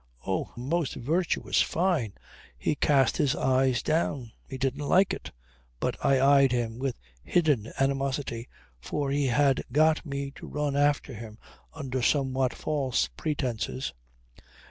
O! Most virtuous Fyne! He cast his eyes down. He didn't like it. But I eyed him with hidden animosity for he had got me to run after him under somewhat false pretences.